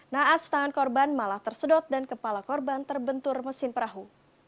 naas tangan korban malah tersedot dan kepala korban terbentur mesin perahu